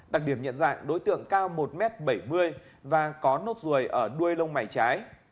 đặc điểm nhận dạng đối tượng cao một m bảy mươi và có nốt ruồi ở đuôi lông mày trái